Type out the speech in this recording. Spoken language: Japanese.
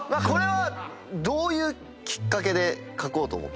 これはどういうきっかけで描こうと？